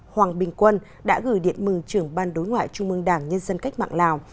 hoàng bình quân đã gửi điện mừng trưởng ban đối ngoại trung mương đảng nhân dân cách mạng lào